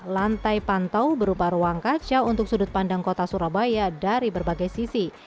lantai pantau berupa ruang kaca untuk sudut pandang kota surabaya dari berbagai sisi